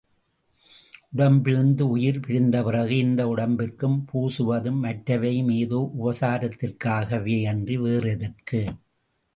உடம்பிலிருந்து உயிர் பிரிந்தபிறகு இந்த உடம்பிற்குப் பூசுவதும், மற்றவையும் ஏதோ உபசாரத்திற்காகவேயன்றி வேறெதற்கு?